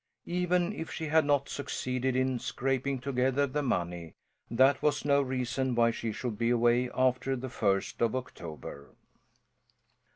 Even if she had not succeeded in scraping together the money, that was no reason why she should be away after the first of October.